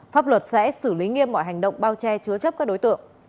pháp luật sẽ xử lý nghiêm mọi hành động bao che chứa chấp các đối tượng